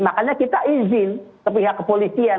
makanya kita izin sepihak kepolisian